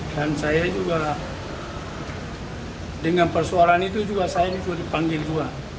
dan saya juga dengan persoalan itu juga saya dipanggil juga